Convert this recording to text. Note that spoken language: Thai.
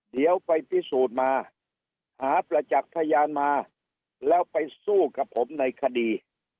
เดี๋ยวไปพิสูจน์มาหาประจักษ์พยานมาแล้วไปสู้กับผมในคดี